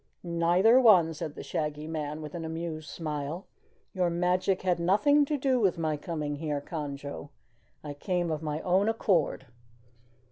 "Neither one," said the Shaggy Man with an amused smile. "Your magic had nothing to do with my coming here, Conjo. I came of my own accord."